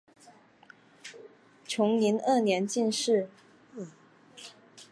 崇宁二年进士。